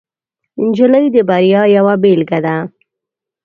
نجلۍ د بریا یوه بیلګه ده.